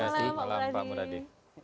selamat malam pak muradi